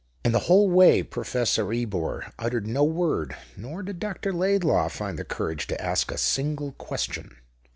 And the whole way Professor Ebor uttered no word, nor did Dr. Laidlaw find the courage to ask a single question.